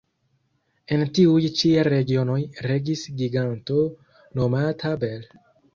En tiuj ĉi regionoj regis giganto nomata Bel.